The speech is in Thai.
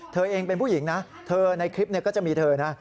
เธอเองเป็นผู้หญิงนะเธอในคลิปก็จะมีเธอนะ